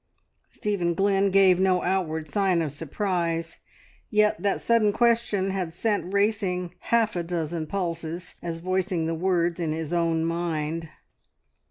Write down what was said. Stephen Glynn gave no outward sign of surprise, yet that sudden question had sent racing half a dozen pulses, as voicing the words in his own mind.